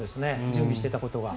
準備してたことが。